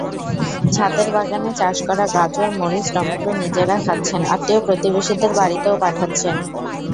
ছাদের বাগানে চাষ করা গাজর, মরিচ, টমেটো নিজেরা খাচ্ছেন, আত্মীয়-প্রতিবেশীদের বাড়িতেও পাঠাচ্ছেন।